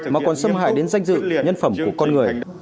mà còn xâm hại đến danh dự nhân phẩm của con người